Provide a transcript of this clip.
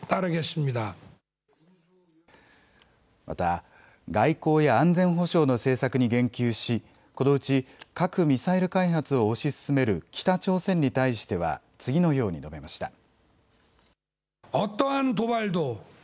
また、外交や安全保障の政策に言及し、このうち核・ミサイル開発を推し進める北朝鮮に対しては次のように述べました。